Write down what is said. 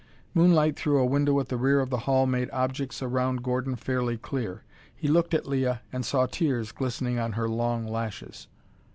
Moonlight through a window at the rear of the hall made objects around Gordon fairly clear. He looked at Leah and saw tears glistening on her long lashes.